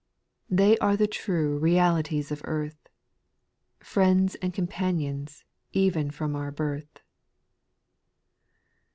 They are the true realities of earth, Friends and companions even from our birth.